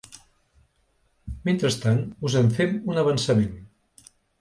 Mentrestant, us en fem un avançament.